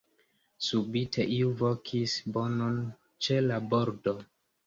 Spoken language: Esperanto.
Subite iu vokis bonon ĉe la bordo.